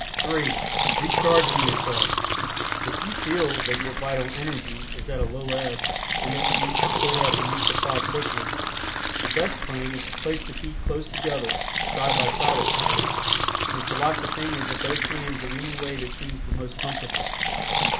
(3) RECHARGING YOURSELF. If you feel that your vital energy is at a low ebb, and that you need to store up a new supply quickly, the best plan is to place the feet close together (side by side, of course) and to lock the fingers of both hands in any way that seems the most comfortable.